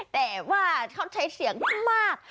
แต่ว่าเขาใช้เสียงมาก